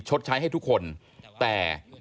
ชดใช้ให้ทุกคนแต่